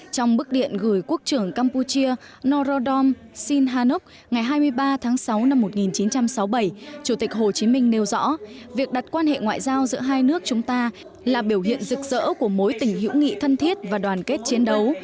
trong bức điện gửi quốc trưởng campuchia norodom sihanov ngày hai mươi ba tháng sáu năm một nghìn chín trăm sáu mươi bảy chủ tịch hồ chí minh nêu rõ việc đặt quan hệ ngoại giao giữa hai nước chúng ta là biểu hiện rực rỡ của mối tình hữu nghị thân thiết và đoàn kết chiến đấu